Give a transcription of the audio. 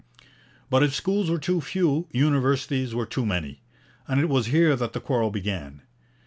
But if schools were too few, universities were too many, and it was here that the quarrel began.